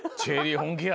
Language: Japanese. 本気や。